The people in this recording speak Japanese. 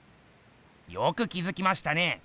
よく気づきましたね。